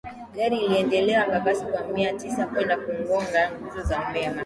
Gari iliendelea kwa kasi kwa mita mia kwenda kugonga nguzo ya umeme